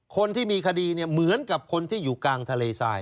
คนที่มีคดีเนี่ยเหมือนกับคนที่อยู่กลางทะเลทราย